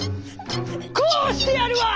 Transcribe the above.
こうしてやるわ！」。